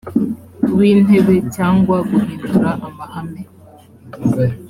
w intebe cyangwa guhindura amahame